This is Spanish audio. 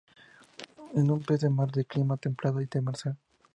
Es un pez de mar, de clima templado y demersal.